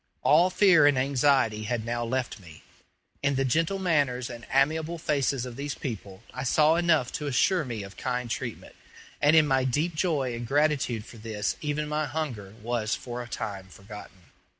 All fear and anxiety had now left me; in the gentle manners and amiable faces of these people I saw enough to assure me of kind treatment; and in my deep joy and gratitude for this even my hunger was for a time forgotten.